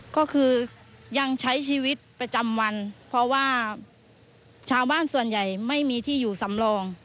ก็คือยังใช้ชีวิตประจำวันเพราะว่าชาวบ้านส่วนใหญ่ไม่มีที่อยู่สำรอง